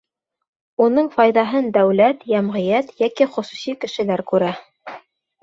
Уның файҙаһын дәүләт, йәмғиәт йәки хосуси кешеләр күрә.